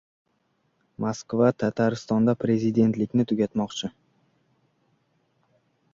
Moskva Tataristonda prezidentlikni tugatmoqchi